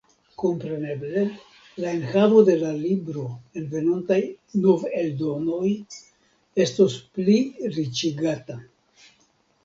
Kompreneble la enhavo de la libro en venontaj noveldonoj estos pliriĉigata.